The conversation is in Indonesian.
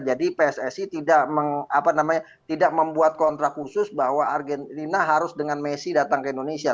jadi pssi tidak membuat kontrak khusus bahwa argentina harus dengan messi datang ke indonesia